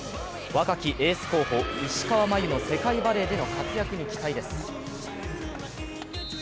若きエース候補、石川真佑の世界バレーでの活躍に期待です。